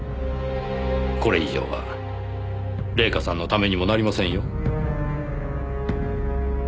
これ以上は礼夏さんのためにもなりませんよ。